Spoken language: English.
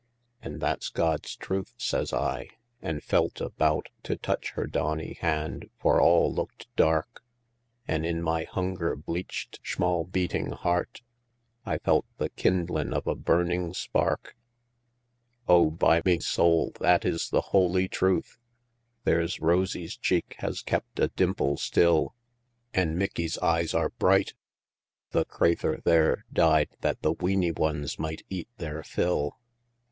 "An' that's God's truth!" says I, an' felt about To touch her dawney hand, for all looked dark, An' in my hunger bleached, shmall beatin' heart, I felt the kindlin' of a burning spark. "O, by me sowl, that is the holy truth! There's Rosie's cheek has kept a dimple still, An' Mickie's eyes are bright the craythur there Died that the weeny ones might eat there fill."